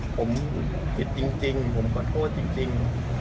ผมผิดจริงผมขอโทษจริง